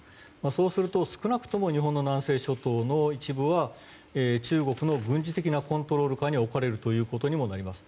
そうすると、少なくとも日本の南西諸島の一部は中国の軍事的なコントロール下に置かれることにもなります。